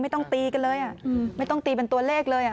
ไม่ต้องตีกันเลยอ่ะอืมไม่ต้องตีเป็นตัวเลขเลยอ่ะ